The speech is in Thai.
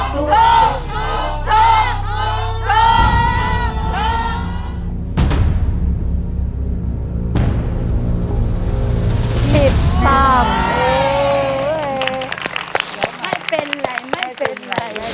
ติดปับเฮ้ยไม่เป็นไรไม่เป็นไร